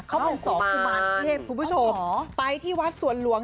เขาเป็นสองกุมารเทพคุณผู้ชมไปที่วัดสวนหลวง